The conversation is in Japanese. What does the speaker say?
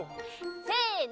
せの！